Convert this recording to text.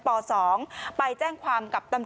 โปรดติดตามตอนต่อไป